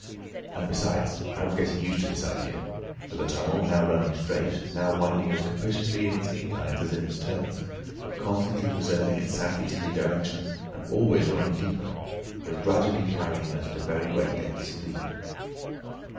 And, besides, I was getting used to this idea; for the tunnel, now running straight, now winding as capriciously in its inclines as in its turnings, but constantly preserving its south easterly direction, and always running deeper, was gradually carrying us to very great depths indeed.